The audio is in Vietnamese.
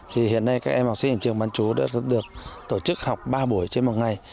thì hiện nay các em học sinh ở trường bán chú đã được tổ chức học ba buổi trên một ngày